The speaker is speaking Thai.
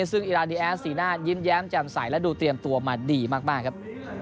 ซึ่งอีรานดีแอสสีหน้ายิ้มแย้มแจ่มใสและดูเตรียมตัวมาดีมากครับ